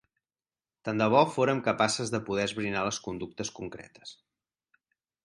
Tant de bo fórem capaces de poder esbrinar les conductes concretes.